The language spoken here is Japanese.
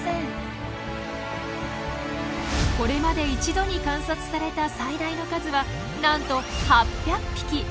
これまで一度に観察された最大の数はなんと８００匹！